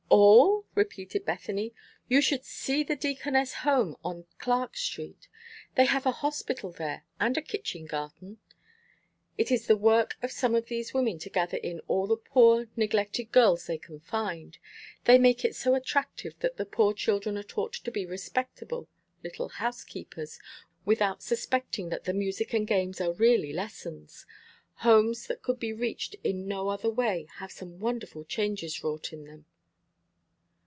"All!" repeated Bethany. "You should see the Deaconess Home on Clark Street. They have a hospital there, and a Kitchen garten. It is the work of some of these women to gather in all the poor, neglected girls they can find. They make it so very attractive that the poor children are taught to be respectable little housekeepers, without suspecting that the music and games are really lessons. Homes that could be reached in no other way have some wonderful changes wrought in them."